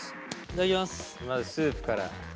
まずスープから。